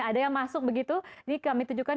ada yang masuk begitu ini kami tunjukkan